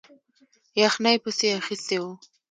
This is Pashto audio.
یخنۍ پسې اخیستی وو.